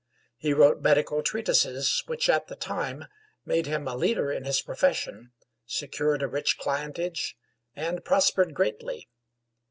He wrote medical treatises which at the time made him a leader in his profession, secured a rich clientage, and prospered greatly.